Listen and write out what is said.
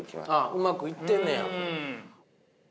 うまくいってんねや。